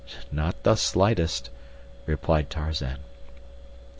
"Not the slightest," replied Tarzan.